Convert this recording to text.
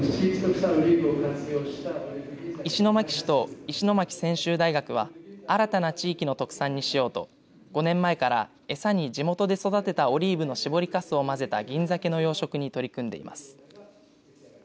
石巻市と石巻専修大学は新たな地域の特産にしようと５年前から餌に地元で育てたオリーブの搾りかすを混ぜた銀ざけの養殖に取り組んでいます。